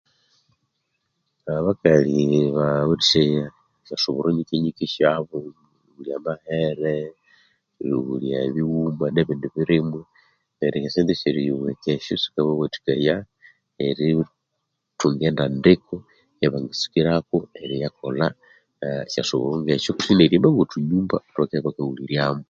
Abakalhi bawethi esyasuburo syabo bakasubura nga mahere nebindi birimwa neryo esyosente esyeriyibweka sikabawatikaya erithunga endandiku eyabangatsukirako esyasuburo syabu nerihimba othunyumba otwerighuliramo